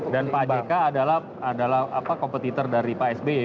dan pak jk adalah kompetitor dari pak sb ya